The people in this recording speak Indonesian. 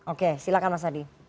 oke silahkan mas adi